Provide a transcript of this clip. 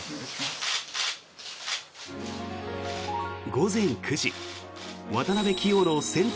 午前９時、渡辺棋王の先手